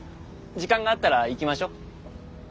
時間があったら行きましょ。